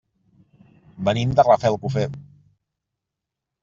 Venim de Rafelcofer.